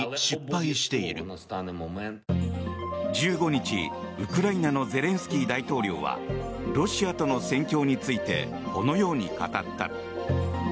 １５日、ウクライナのゼレンスキー大統領はロシアとの戦況についてこのように語った。